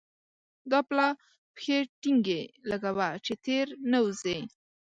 دا پلا پښې ټينګې لګوه چې تېر نه وزې.